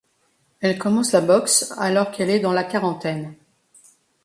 Elle commence la boxe alors qu'elle est dans la quarantaine.